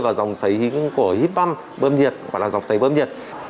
và dòng xấy của hip bump bơm nhiệt gọi là dòng xấy bơm nhiệt